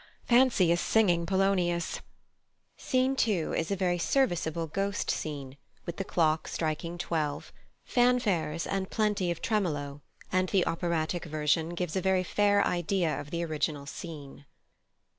Fancy a singing Polonius! Scene 2 is a very serviceable Ghost scene, with the clock striking twelve, fanfares and plenty of tremolo; and the operatic version gives a very fair idea of the original scene.